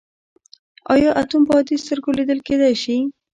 ایا اتوم په عادي سترګو لیدل کیدی شي.